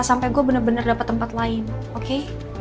sampai gue bener bener dapet tempat lain oke